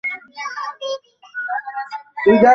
তা বুঝুক ভুল।